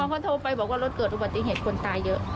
เขาโทรไปบอกว่ารถเกิดอุบัติเหตุคนตายเยอะ